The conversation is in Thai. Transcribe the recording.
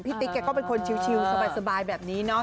ติ๊กแกก็เป็นคนชิลสบายแบบนี้เนาะ